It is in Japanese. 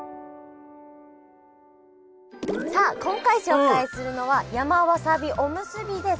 さあ今回紹介するのは山わさびおむすびです。